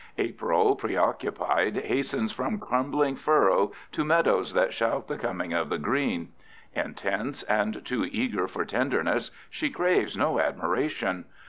April, preoccupied, hastens from crumbling furrow to meadows that shout the coming of the green. Intense and too eager for tenderness, she craves no admiration.